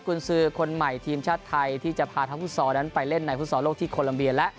คุณซื้อคนใหม่ทีมชาติไทยที่จะพาทั้งฟุตซอลนั้นไปเล่นในฟุตซอลโลกที่โคลัมเบียและ